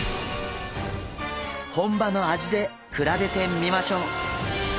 本場の味で比べてみましょう！